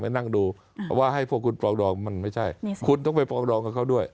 นั่งดูเพราะว่าให้พวกคุณปรองดองมันไม่ใช่คุณต้องไปปรองดองกับเขาด้วย